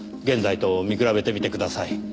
現在と見比べてみてください。